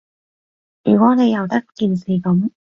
如果你由得件事噉